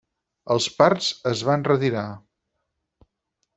Els parts es van retirar.